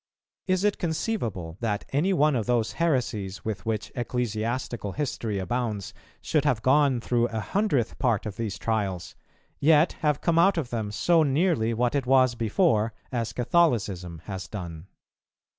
Is it conceivable that any one of those heresies, with which ecclesiastical history abounds, should have gone through a hundredth part of these trials, yet have come out of them so nearly what it was before, as Catholicism has done?